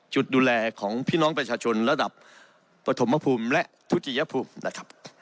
ดูแลของพี่น้องประชาชนระดับปฐมภูมิและทุติยภูมินะครับ